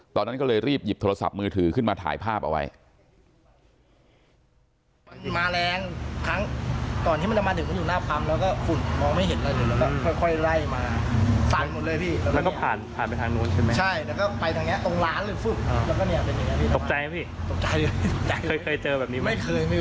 ตอนนั้นก็เลยรีบหยิบโทรศัพท์มือถือขึ้นมาถ่ายภาพเอาไว้